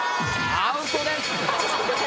アウトです。